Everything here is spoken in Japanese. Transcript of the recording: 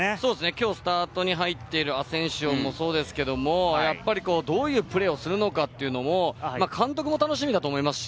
きょうスタートに入ってるアセンシオもそうですけれど、どういうプレーをするのかというのも、監督も楽しみだと思いますし。